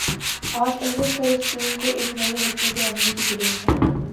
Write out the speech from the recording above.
آج اہل فلسطین کو ایک نئی حکمت عملی کی ضرورت ہے۔